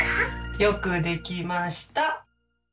よくできました。